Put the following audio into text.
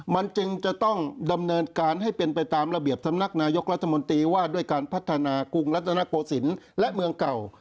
มันจึงจะต้องดำเนินการให้เป็นไปตามระเบียบสำนักนายกรัฐมนตรีว่าด้วยการพัฒนากรุงรัฐนโกศิลป์และเมืองเก่า